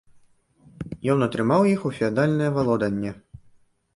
Ён атрымаў іх у феадальнае валоданне.